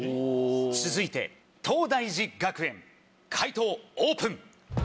続いて東大寺学園解答オープン！